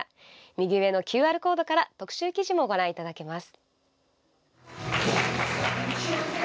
右上のＱＲコードから特集記事もご覧いただけます。